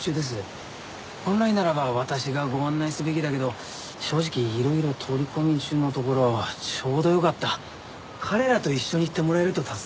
本来ならば私がご案内すべきだけど正直いろいろ取り込み中のところちょうどよかった彼らと一緒に行ってもらえると助かります。